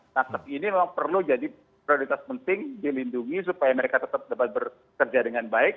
nakes ini memang perlu jadi prioritas penting dilindungi supaya mereka tetap dapat bekerja dengan baik